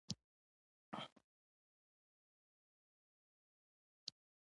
په لاس کې يې پړی ښکارېده.